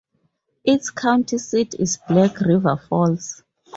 Its county seat is Black River Falls.